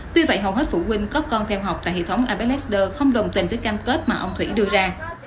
tuy vậy hầu hết phụ huynh có con theo học tại hệ thống abe leader không đồng tình với cam kết mà ông thủy đưa ra